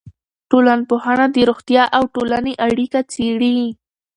ټولنپوهنه د روغتیا او ټولنې اړیکه څېړي.